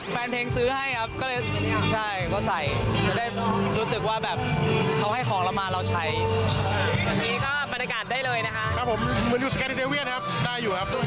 แฟนเพลงซื้อให้ครับก็เลย